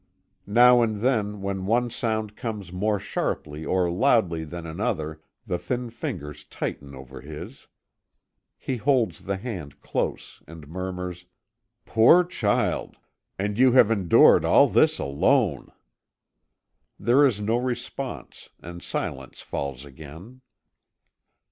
Now and then when one sound comes more sharply or loudly than another, the thin fingers tighten over his. He holds the hand close, and murmurs: "Poor child! And you have endured all this alone." There is no response, and silence falls again.